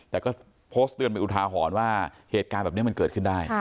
แต่ก็โพสต์เตือนไปอุทาหรณ์ว่าเหตุการณ์แบบนี้มันเกิดขึ้นได้